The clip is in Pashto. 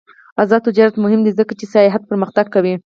آزاد تجارت مهم دی ځکه چې سیاحت پرمختګ کوي.